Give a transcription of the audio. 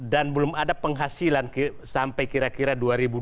dan belum ada penghasilan sampai kira kira dua ribu dua puluh dua